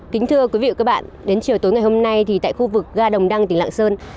kính thưa quý vị và các bạn đến chiều tối ngày hôm nay thì tại khu vực ga đồng đăng tỉnh lạng sơn